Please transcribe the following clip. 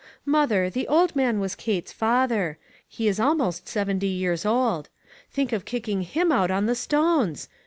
"Mother, the old man was Kate's father. He is almost seventy years old. Think of kicking him out on the stones!